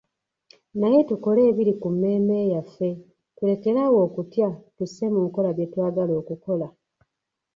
Naye tukole ebiri ku mmeeme yaffe, tulekere awo okutya tusse mu nkola bye twagala okukola